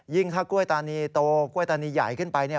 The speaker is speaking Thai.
ยิ่งถ้ากล้วยตานีโตกล้วยตานีใหญ่ขึ้นไป